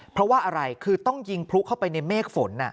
เพราะว่าอะไรคือต้องยิงพลุเข้าไปในเมฆฝน